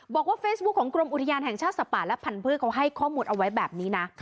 บอกว่าเฟซบุ๊คของกรมอุทยานแห่งชาติสัตว์ป่าและพันธุ์เขาให้ข้อมูลเอาไว้แบบนี้นะ